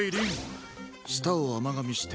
舌を甘がみしてテュス。